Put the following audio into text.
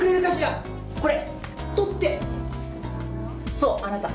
そうあなた。